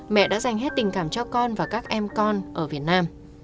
mẹ đã dành hết tình cảm cho con và các em con ở việt nam